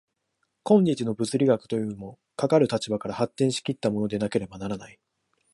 今日の物理学というも、かかる立場から発展し来ったものでなければならない。